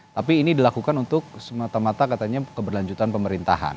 tapi ini dilakukan untuk semata mata katanya keberlanjutan pemerintahan